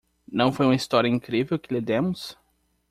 Não foi uma história incrível que lhe demos?